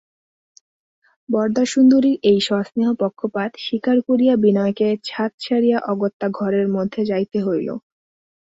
বরদাসুন্দরীর এই সস্নেহ পক্ষপাত স্বীকার করিয়া বিনয়কে ছাত ছাড়িয়া অগত্যা ঘরের মধ্যে যাইতে হইল।